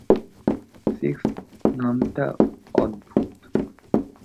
Six নামটা অদ্ভুত।